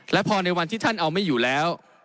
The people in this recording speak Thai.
และพอในวันที่ท่านเอาไม่อยู่แล้ว